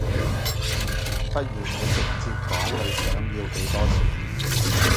不如你直接講你想要幾多錢